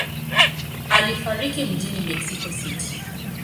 Alifariki mjini Mexico City.